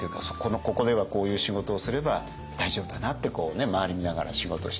ここではこういう仕事をすれば大丈夫だなって周り見ながら仕事してる。